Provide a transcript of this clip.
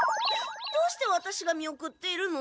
どうしてワタシが見送っているの？